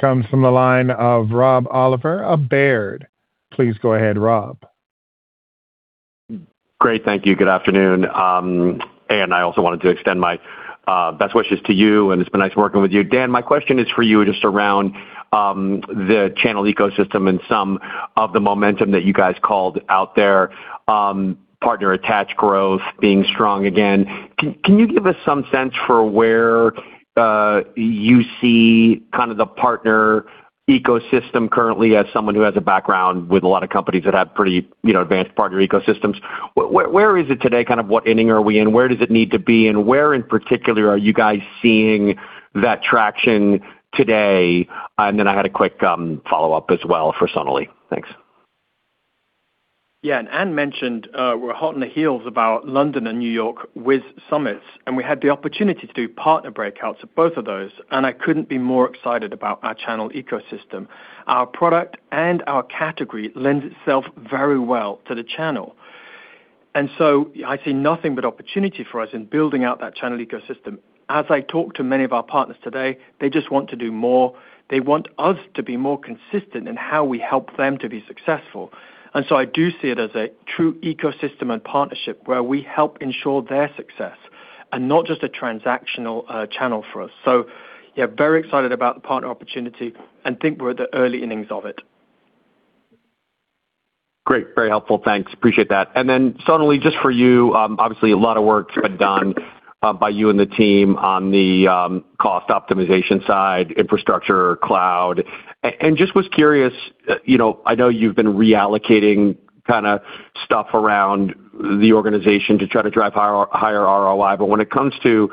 comes from the line of Rob Oliver of Baird. Please go ahead, Rob. Great. Thank you. Good afternoon. And I also wanted to extend my best wishes to you, and it's been nice working with you. Dan, my question is for you just around the channel ecosystem and some of the momentum that you guys called out there, partner attached growth being strong again. Can you give us some sense for where you see kind of the partner ecosystem currently as someone who has a background with a lot of companies that have pretty advanced partner ecosystems? Where is it today? Kind of what inning are we in? Where does it need to be? And where, in particular, are you guys seeing that traction today? And then I had a quick follow-up as well for Sonalee. Thanks. Yeah, and Anne mentioned we're hot on the heels about London and New York with summits, and we had the opportunity to do partner breakouts at both of those, and I couldn't be more excited about our channel ecosystem. Our product and our category lends itself very well to the channel. And so I see nothing but opportunity for us in building out that channel ecosystem. As I talk to many of our partners today, they just want to do more. They want us to be more consistent in how we help them to be successful. And so I do see it as a true ecosystem and partnership where we help ensure their success and not just a transactional channel for us. So yeah, very excited about the partner opportunity and think we're at the early innings of it. Great. Very helpful. Thanks. Appreciate that. And then, Sonalee, just for you, obviously a lot of work has been done by you and the team on the cost optimization side, infrastructure, cloud. And just was curious, I know you've been reallocating kind of stuff around the organization to try to drive higher ROI, but when it comes to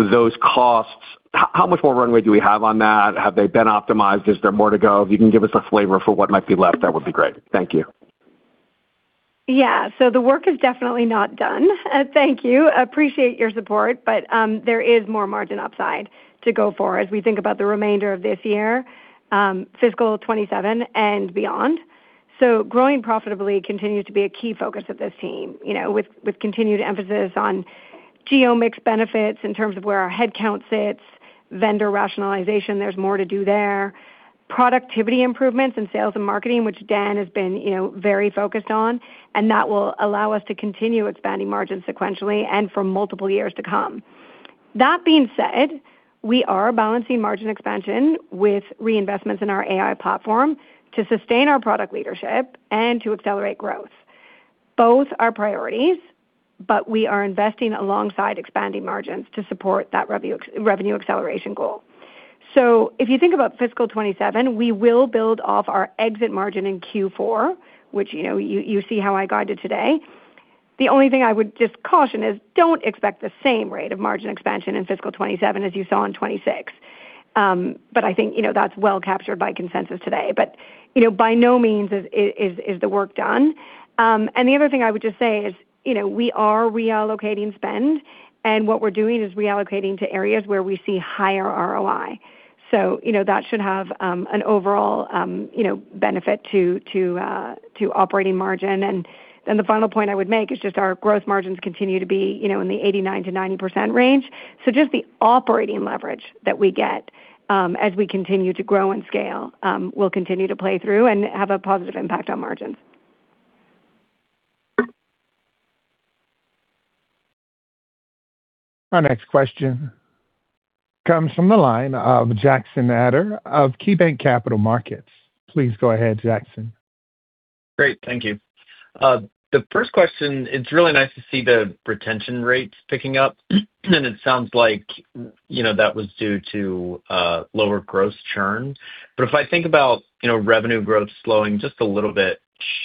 those costs, how much more runway do we have on that? Have they been optimized? Is there more to go? If you can give us a flavor for what might be left, that would be great. Thank you. Yeah, so the work is definitely not done. Thank you. Appreciate your support, but there is more margin upside to go for as we think about the remainder of this year, fiscal 2027 and beyond. So growing profitably continues to be a key focus of this team with continued emphasis on geo-mix benefits in terms of where our headcount sits, vendor rationalization, there's more to do there, productivity improvements in sales and marketing, which Dan has been very focused on, and that will allow us to continue expanding margins sequentially and for multiple years to come. That being said, we are balancing margin expansion with reinvestments in our AI platform to sustain our product leadership and to accelerate growth. Both are priorities, but we are investing alongside expanding margins to support that revenue acceleration goal. So if you think about fiscal 2027, we will build off our exit margin in Q4, which you see how I guided today. The only thing I would just caution is don't expect the same rate of margin expansion in fiscal 2027 as you saw in 2026. But I think that's well captured by consensus today. But by no means is the work done. And the other thing I would just say is we are reallocating spend, and what we're doing is reallocating to areas where we see higher ROI. So that should have an overall benefit to operating margin. And then the final point I would make is just our growth margins continue to be in the 89%-90% range. So just the operating leverage that we get as we continue to grow and scale will continue to play through and have a positive impact on margins. Our next question comes from the line of Jackson Ader of KeyBanc Capital Markets. Please go ahead, Jackson. Great. Thank you. The first question, it's really nice to see the retention rates picking up, and it sounds like that was due to lower gross churn. But if I think about revenue growth slowing just a little bit,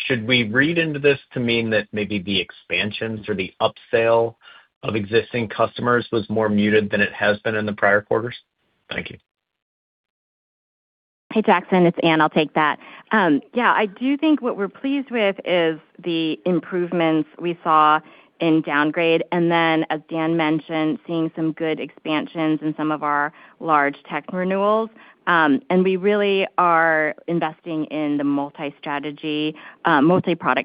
should we read into this to mean that maybe the expansions or the upsell of existing customers was more muted than it has been in the prior quarters? Thank you. Hey, Jackson, it's Anne. I'll take that. Yeah, I do think what we're pleased with is the improvements we saw in downgrade. And then, as Dan mentioned, seeing some good expansions in some of our large tech renewals. And we really are investing in the multi-product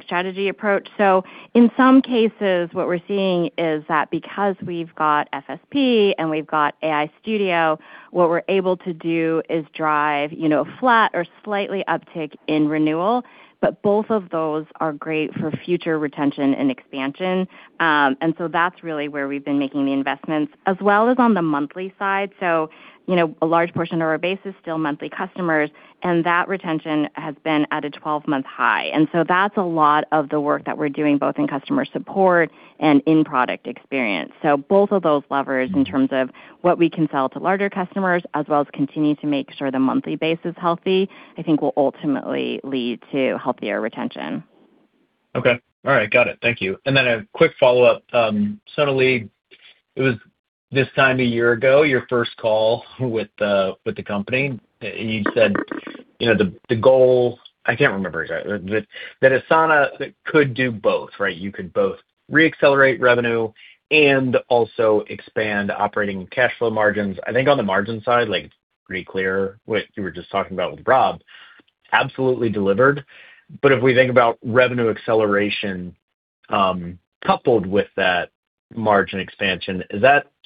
strategy approach. So in some cases, what we're seeing is that because we've got FSP and we've got AI Studio, what we're able to do is drive a flat or slight uptick in renewal, but both of those are great for future retention and expansion. And so that's really where we've been making the investments, as well as on the monthly side. So a large portion of our base is still monthly customers, and that retention has been at a 12-month high. And so that's a lot of the work that we're doing both in customer support and in product experience. So both of those levers in terms of what we can sell to larger customers, as well as continue to make sure the monthly base is healthy, I think will ultimately lead to healthier retention. Okay. All right. Got it. Thank you. And then a quick follow-up. Sonalee, it was this time a year ago, your first call with the company. You said the goal, I can't remember exactly, that Asana could do both, right? You could both re-accelerate revenue and also expand operating cash flow margins. I think on the margin side, it's pretty clear what you were just talking about with Rob, absolutely delivered. But if we think about revenue acceleration coupled with that margin expansion,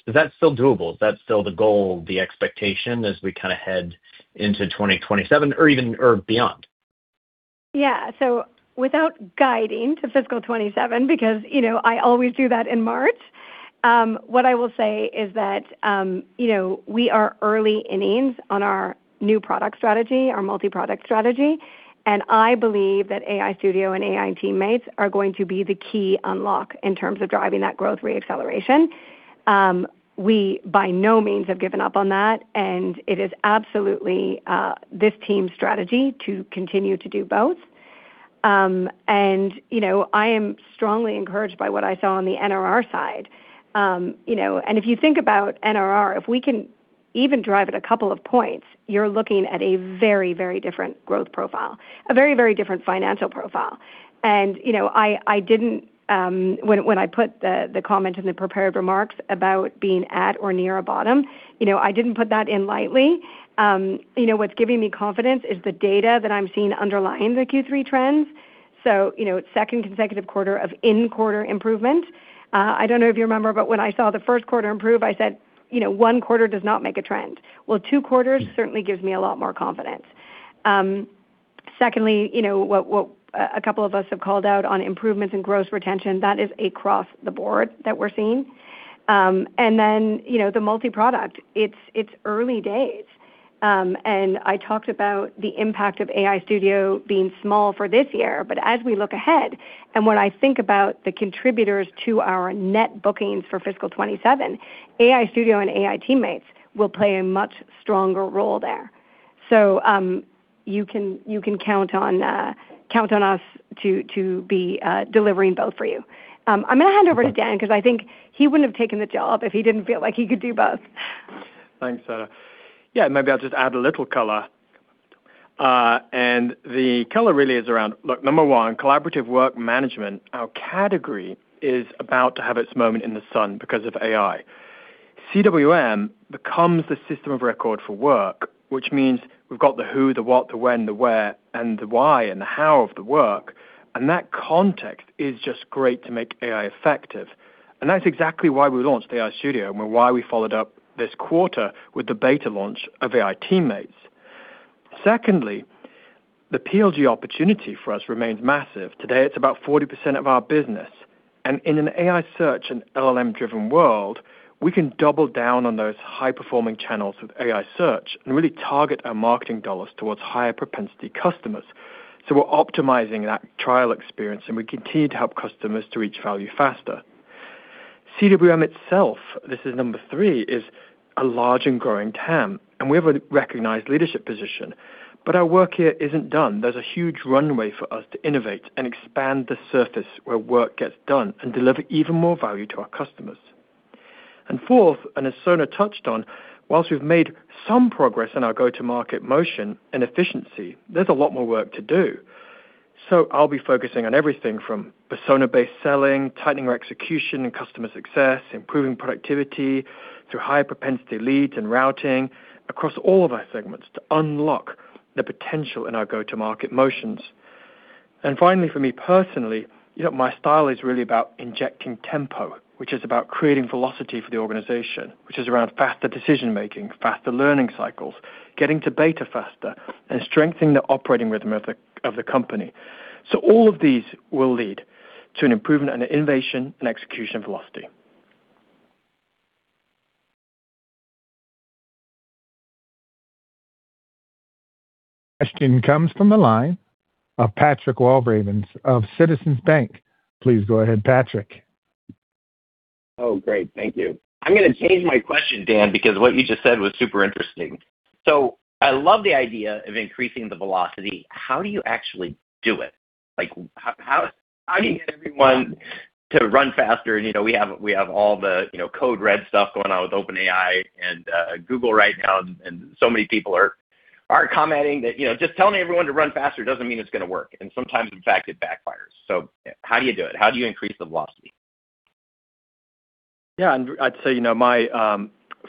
is that still doable? Is that still the goal, the expectation as we kind of head into 2027 or even beyond? Yeah. So without guiding to fiscal 2027, because I always do that in March, what I will say is that we are early innings on our new product strategy, our multi-product strategy. And I believe that AI Studio and AI Teammates are going to be the key unlock in terms of driving that growth re-acceleration. We, by no means, have given up on that, and it is absolutely this team's strategy to continue to do both. And I am strongly encouraged by what I saw on the NRR side. If you think about NRR, if we can even drive it a couple of points, you're looking at a very, very different growth profile, a very, very different financial profile. I didn't, when I put the comment in the prepared remarks about being at or near a bottom, I didn't put that in lightly. What's giving me confidence is the data that I'm seeing underlying the Q3 trends. Second consecutive quarter of in-quarter improvement. I don't know if you remember, but when I saw the first quarter improve, I said, "One quarter does not make a trend." Well, two quarters certainly gives me a lot more confidence. Secondly, what a couple of us have called out on improvements in gross retention, that is across the board that we're seeing. The multi-product, it's early days. I talked about the impact of AI Studio being small for this year, but as we look ahead and when I think about the contributors to our net bookings for fiscal 2027, AI Studio and AI Teammates will play a much stronger role there. So you can count on us to be delivering both for you. I'm going to hand over to Dan because I think he wouldn't have taken the job if he didn't feel like he could do both. Thanks. Yeah, maybe I'll just add a little color. The color really is around, look, number one, collaborative work management. Our category is about to have its moment in the sun because of AI. CWM becomes the system of record for work, which means we've got the who, the what, the when, the where, and the why and the how of the work. And that context is just great to make AI effective. And that's exactly why we launched AI Studio and why we followed up this quarter with the beta launch of AI Teammates. Secondly, the PLG opportunity for us remains massive. Today, it's about 40% of our business. And in an AI search and LLM-driven world, we can double down on those high-performing channels with AI search and really target our marketing dollars towards higher propensity customers. So we're optimizing that trial experience, and we continue to help customers to reach value faster. CWM itself, this is number three, is a large and growing TAM, and we have a recognized leadership position, but our work here isn't done. There's a huge runway for us to innovate and expand the surface where work gets done and deliver even more value to our customers. And fourth, and as Sona touched on, while we've made some progress in our go-to-market motion and efficiency, there's a lot more work to do. So I'll be focusing on everything from persona-based selling, tightening our execution and customer success, improving productivity through high-propensity leads and routing across all of our segments to unlock the potential in our go-to-market motions. And finally, for me personally, my style is really about injecting tempo, which is about creating velocity for the organization, which is around faster decision-making, faster learning cycles, getting to beta faster, and strengthening the operating rhythm of the company. So all of these will lead to an improvement in innovation and execution velocity. Question comes from the line of Patrick Walravens of Citizens Bank. Please go ahead, Patrick. Oh, great. Thank you. I'm going to change my question, Dan, because what you just said was super interesting. So I love the idea of increasing the velocity. How do you actually do it? How do you get everyone to run faster? And we have all the code red stuff going on with OpenAI and Google right now, and so many people are commenting that just telling everyone to run faster doesn't mean it's going to work. And sometimes, in fact, it backfires. So how do you do it? How do you increase the velocity? Yeah, and I'd say,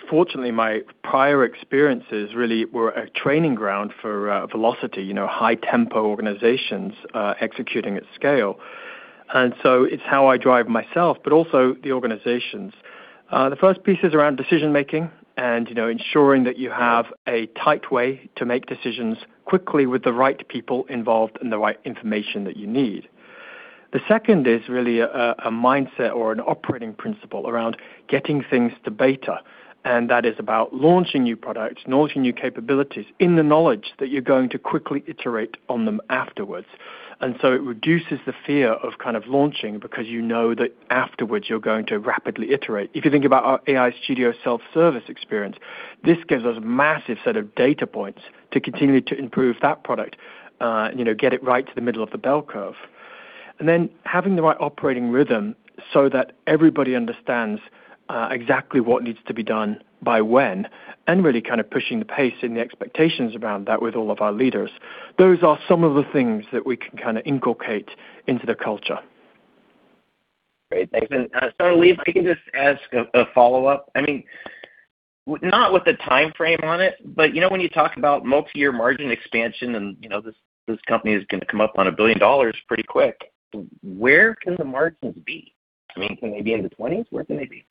fortunately, my prior experiences really were a training ground for velocity, high-tempo organizations executing at scale. And so it's how I drive myself, but also the organizations. The first piece is around decision-making and ensuring that you have a tight way to make decisions quickly with the right people involved and the right information that you need. The second is really a mindset or an operating principle around getting things to beta. And that is about launching new products, launching new capabilities in the knowledge that you're going to quickly iterate on them afterwards. And so it reduces the fear of kind of launching because you know that afterwards you're going to rapidly iterate. If you think about our AI Studio self-service experience, this gives us a massive set of data points to continue to improve that product, get it right to the middle of the bell curve. And then having the right operating rhythm so that everybody understands exactly what needs to be done by when and really kind of pushing the pace and the expectations around that with all of our leaders. Those are some of the things that we can kind of inculcate into the culture. Great. Thanks. And, Sonalee, if I can just ask a follow-up. I mean, not with the timeframe on it, but when you talk about multi-year margin expansion and this company is going to come up on $1 billion pretty quick, where can the margins be? I mean, can they be in the 20s? Where can they be?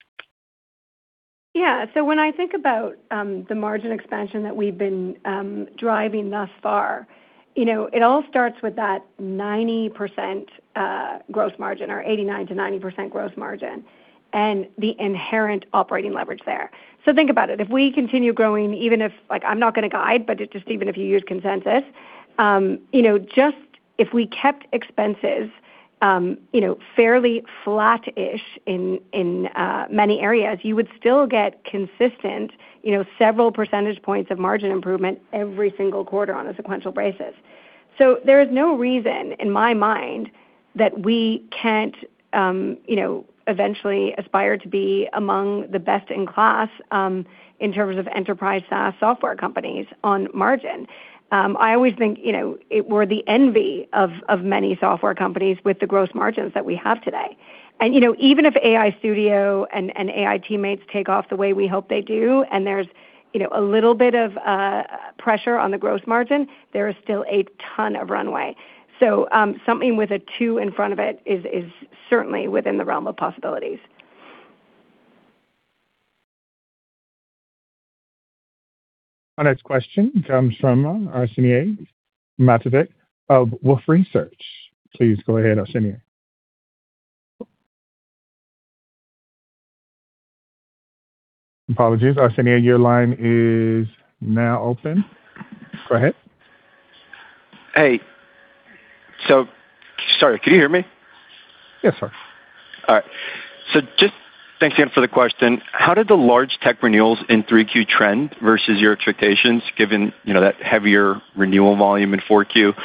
Yeah. So when I think about the margin expansion that we've been driving thus far, it all starts with that 90% gross margin or 89%-90% gross margin and the inherent operating leverage there. So think about it. If we continue growing, even if I'm not going to guide, but just even if you use consensus, just if we kept expenses fairly flat-ish in many areas, you would still get consistent several percentage points of margin improvement every single quarter on a sequential basis. So there is no reason in my mind that we can't eventually aspire to be among the best in class in terms of enterprise SaaS software companies on margin. I always think we're the envy of many software companies with the gross margins that we have today. And even if AI Studio and AI Teammates take off the way we hope they do and there's a little bit of pressure on the gross margin, there is still a ton of runway. So something with a two in front of it is certainly within the realm of possibilities. Our next question comes from Arsenije Matovic of Wolfe Research. Please go ahead, Arsenije. Apologies. Arsenije, your line is now open. Go ahead. Hey. So sorry, can you hear me? Yes, sir. All right. So just thanks again for the question. How did the large tech renewals in 3Q trend versus your expectations given that heavier renewal volume in 4Q?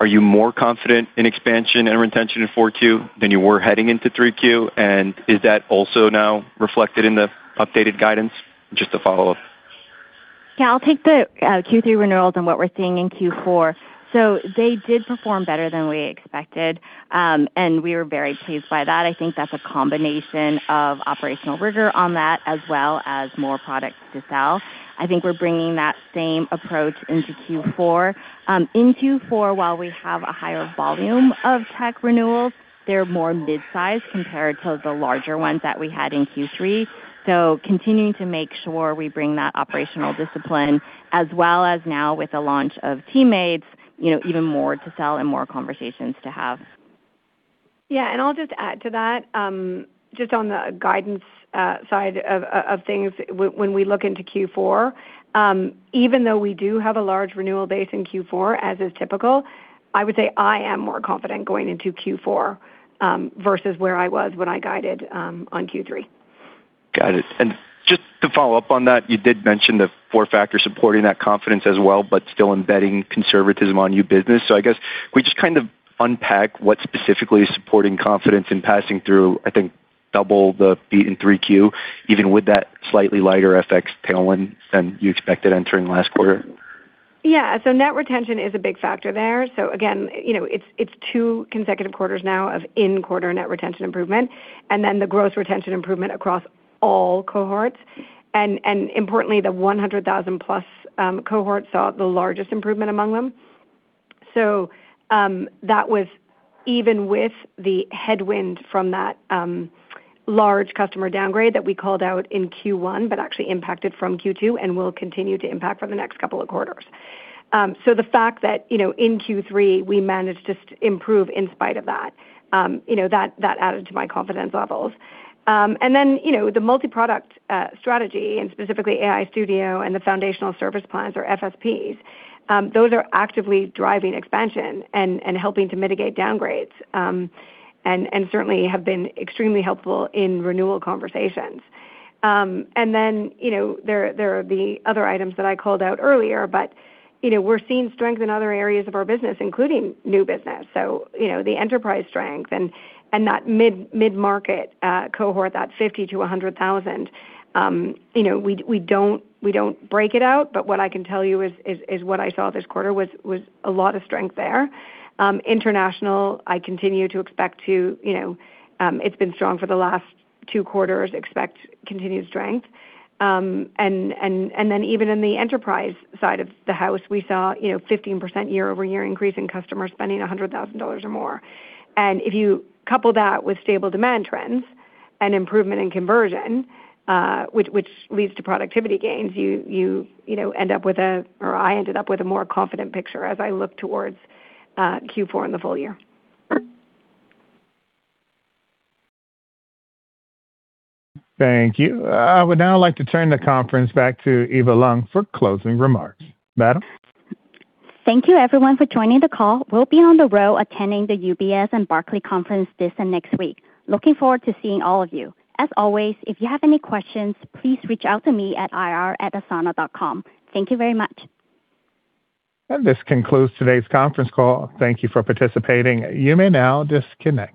Are you more confident in expansion and retention in 4Q than you were heading into 3Q? And is that also now reflected in the updated guidance? Just a follow-up. Yeah, I'll take the Q3 renewals and what we're seeing in Q4. So they did perform better than we expected, and we were very pleased by that. I think that's a combination of operational rigor on that as well as more products to sell. I think we're bringing that same approach into Q4. In Q4, while we have a higher volume of tech renewals, they're more mid-sized compared to the larger ones that we had in Q3. So, continuing to make sure we bring that operational discipline, as well as now with the launch of Teammates, even more to sell and more conversations to have. Yeah. And I'll just add to that, just on the guidance side of things, when we look into Q4, even though we do have a large renewal base in Q4, as is typical, I would say I am more confident going into Q4 versus where I was when I guided on Q3. Got it. And just to follow up on that, you did mention the four factors supporting that confidence as well, but still embedding conservatism on your business. So I guess we just kind of unpack what specifically is supporting confidence in passing through, I think, double the beat in 3Q, even with that slightly lighter FX tailwind than you expected entering last quarter. Yeah. Net retention is a big factor there. Again, it's two consecutive quarters now of in-quarter net retention improvement, and then the gross retention improvement across all cohorts. Importantly, the $100,000+ cohorts saw the largest improvement among them. That was even with the headwind from that large customer downgrade that we called out in Q1, but actually impacted from Q2 and will continue to impact for the next couple of quarters. The fact that in Q3, we managed to improve in spite of that added to my confidence levels. Then the multi-product strategy, and specifically AI Studio and the Foundational Service Plans or FSPs, those are actively driving expansion and helping to mitigate downgrades and certainly have been extremely helpful in renewal conversations. And then there are the other items that I called out earlier, but we're seeing strength in other areas of our business, including new business. So the enterprise strength and that mid-market cohort, that $50,000-$100,000, we don't break it out, but what I can tell you is what I saw this quarter was a lot of strength there. International, I continue to expect to, it's been strong for the last two quarters, expect continued strength. And then even in the enterprise side of the house, we saw a 15% year-over-year increase in customers spending $100,000 or more. And if you couple that with stable demand trends and improvement in conversion, which leads to productivity gains, you end up with a, or I ended up with a more confident picture as I look towards Q4 in the full year. Thank you. I would now like to turn the conference back to Eva Leung for closing remarks. Madam? Thank you, everyone, for joining the call. We'll be on the road attending the UBS and Barclays conferences this and next week. Looking forward to seeing all of you. As always, if you have any questions, please reach out to me at IR@asana.com. Thank you very much. And this concludes today's conference call. Thank you for participating. You may now disconnect.